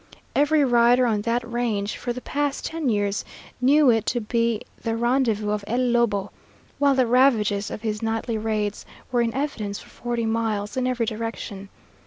Every rider on that range for the past ten years knew it to be the rendezvous of El Lobo, while the ravages of his nightly raids were in evidence for forty miles in every direction.